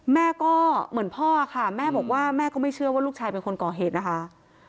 แม่ก็เหมือนพ่อค่ะแม่บอกว่าแม่ก็ไม่เชื่อว่าลูกชายเป็นคนก่อเหตุนะคะ